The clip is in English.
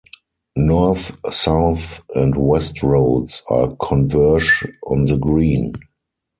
North, South and West Roads all converge on The Green.